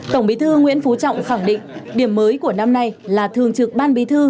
tổng bí thư nguyễn phú trọng khẳng định điểm mới của năm nay là thường trực ban bí thư